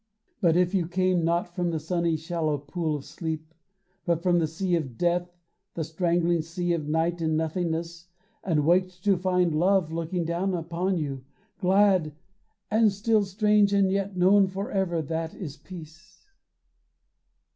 But if you came Not from the sunny shallow pool of sleep, But from the sea of death, the strangling sea Of night and nothingness, and waked to find Love looking down upon you, glad and still, Strange and yet known forever, that is peace.